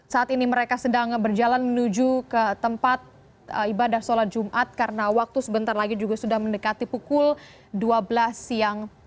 saat ini mereka sedang berjalan menuju ke tempat ibadah sholat jumat karena waktu sebentar lagi juga sudah mendekati pukul dua belas siang